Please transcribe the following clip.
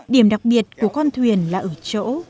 điểm đặc biệt của con thuyền là ở chỗ